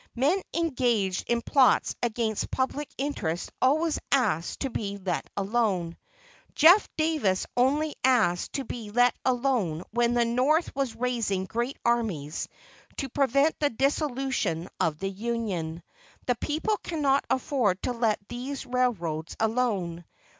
Men engaged in plots against public interests always ask to be "let alone." Jeff Davis only asked to be "let alone," when the North was raising great armies to prevent the dissolution of the Union. The people cannot afford to let these railroads alone.